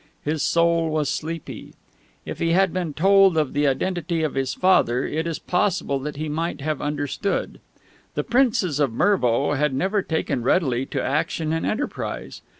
His soul was sleepy. If he had been told of the identity of his father, it is possible that he might have understood. The Princes of Mervo had never taken readily to action and enterprise.